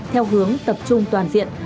theo hướng tập trung toàn diện